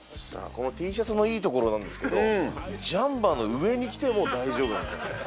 このＴシャツのいいところなんですけど、ジャンパーの上に着ても大丈夫なんですよね。